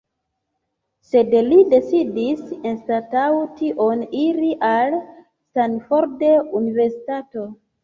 Sed li decidis anstataŭ tion iri al Stanford Universitato.